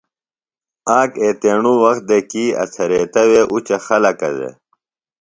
آک ایتیݨوۡ وخت دےۡ کیۡ اڅھریتہ وے اُچہ خلَکہ دےۡ